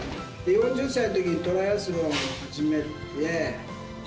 ４０歳のときにトライアスロン始めて、え？